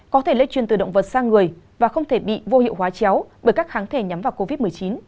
có thể lây truyền từ động vật sang người và không thể bị vô hiệu hóa chéo bởi các kháng thể nhắm vào covid một mươi chín